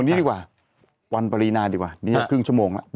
นี่ดีกว่าวันปรินาดีกว่านี่ครึ่งชั่วโมงแล้ว